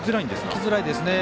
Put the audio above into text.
いきづらいですね。